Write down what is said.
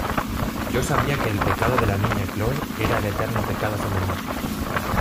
yo sabía que el pecado de la Niña Chole era el eterno pecado femenino